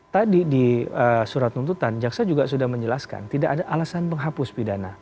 tadi di surat tuntutan jaksa juga sudah menjelaskan tidak ada alasan penghapus pidana